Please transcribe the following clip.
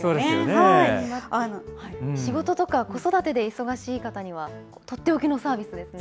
仕事とか子育てで忙しい方には、取って置きのサービスですね。